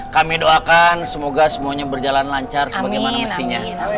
kami doakan semoga semuanya berjalan lancar sebagaimana mestinya